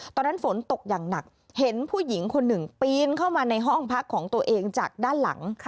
ตอนนั้นฝนตกอย่างหนักเห็นผู้หญิงคนหนึ่งปีนเข้ามาในห้องพักของตัวเองจากด้านหลัง